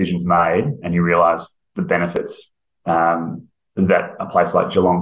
dan anda menyadari keuntungan yang bisa diberikan sebuah tempat seperti geelong